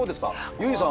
ユージさん